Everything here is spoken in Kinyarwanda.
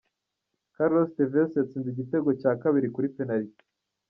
Carlos Tevez yatsinze igitego cya kabiri kuri penaliti.